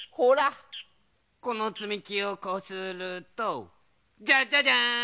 このつみきをこうするとジャッジャジャーン！